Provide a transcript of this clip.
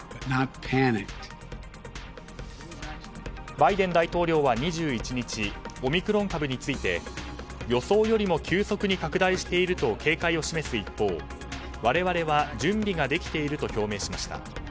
バイデン大統領は２１日オミクロン株について予想よりも急速に拡大していると警戒を示す一方我々は準備ができていると表明しました。